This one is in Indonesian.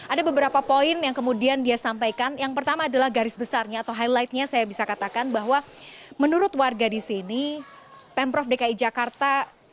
ada beberapa poin yang kemudian dia sampaikan yang pertama adalah garis besarnya atau highlightnya saya bisa katakan bahwa menurut warga di sini pemprov dki jakarta